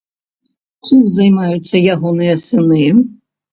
Чым займаюцца ягоныя сыны?